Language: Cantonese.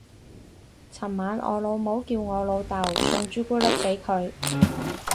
尋晚我老母叫我老竇送朱古力俾佢